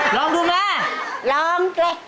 ลองดูไหมลองเกล็ก